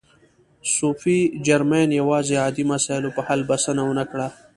صوفي جرمین یوازې عادي مسایلو په حل بسنه و نه کړه.